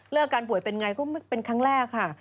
อาการป่วยเป็นไงก็เป็นครั้งแรกค่ะ